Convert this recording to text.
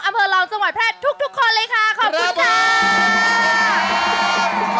อำเภอร้องสวรรค์แพร่ฯทุกคนเลยค่ะขอบคุณค่ะ